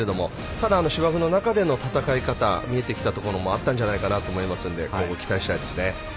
ただ芝生の中での戦い方見えてきたところもあったんじゃないかと思いますので今後、期待したいですね。